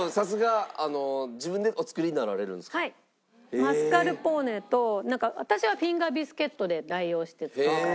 マスカルポーネと私はフィンガービスケットで代用して作るから。